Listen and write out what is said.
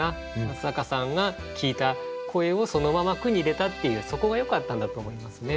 松坂さんが聞いた声をそのまま句に入れたっていうそこがよかったんだと思いますね。